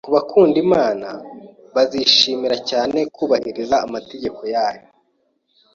Ku bakunda Imana bazishimira cyane kubahiriza amategeko yayo,